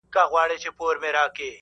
که لوی سوم ځمه د ملا غوږ کي آذان کومه~